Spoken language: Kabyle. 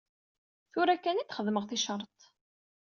Tura kan i d-xedmeɣ ticreḍt.